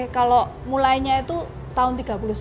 kalau mulainya itu tahun seribu sembilan ratus tiga puluh sembilan